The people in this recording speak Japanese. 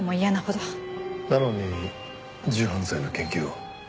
なのに銃犯罪の研究を？